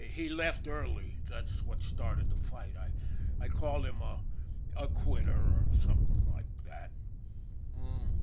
He left early that's what started the fight. I called him a a quitter or some thing like that."